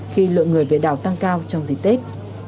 khi lượng người về đảo tăng cao trong dịp tết